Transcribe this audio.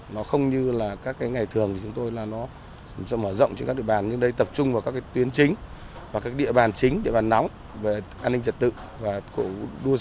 nó không như các ngày thường chúng tôi sẽ mở rộng trên các địa bàn nhưng đây tập trung vào các tuyến chính địa bàn chính địa bàn nóng về an ninh trật tự và cổ vũ đưa xe